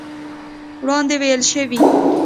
وړاندې ويل شوي